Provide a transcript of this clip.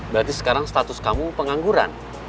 berarti sekarang status kamu pengangguran